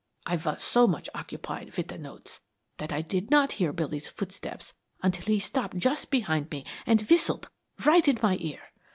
I was so much occupied with the notes that I did not hear Billy's footsteps until he stopped just behind me and whistled right in my ear.